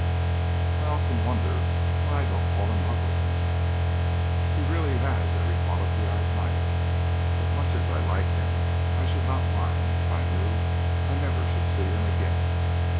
"I often wonder why I don't fall in love with him. He really has every quality I admire. But much as I like him I should not mind if I knew I never should see him again.